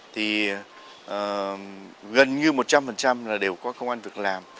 thì gần như một trăm linh đều có công an vực làm